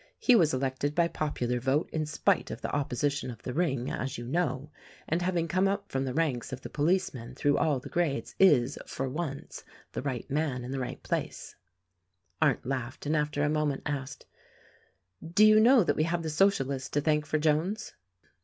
He was elected by popular vote in spite of the opposition of the ring, as you know; and, having come up from the ranks of the policemen through all the grades, is, for once, the right man in the right place." 80 THE RECORDING ANGEL Arndt laughed, and after a moment asked, "Do you know that we have the Socialists to thank for Jones?"